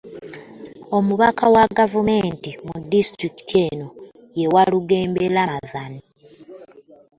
Omubaka wa gavumenti mu disitulikiti eno, ye Walugembe Ramathan